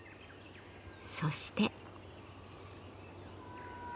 そして。